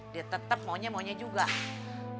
dia tetep maunya maunya jual